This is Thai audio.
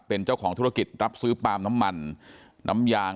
เป็นเจ้าของธุรกิจรับซื้อปาล์มน้ำมันน้ำยาง